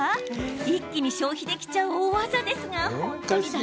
一気に消費できちゃう大技ですが本当に大丈夫？